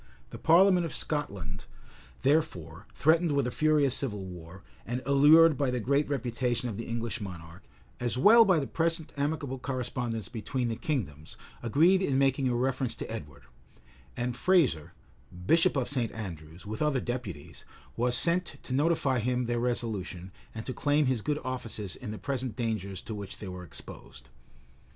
The parliament of Scotland, therefore, threatened with a furious civil war, and allured by the great reputation of the English monarch, as well as by the present amicable correspondence between the kingdoms, agreed in making a reference to Edward; and Fraser, bishop of St. Andrews, with other deputies, was sent to notify to him their resolution, and to claim his good offices in the present dangers to which they were exposed.